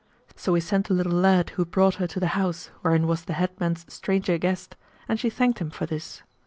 So he sent a little lad who brought her to the house wherein was the head man's stranger guest and she thanked him for this.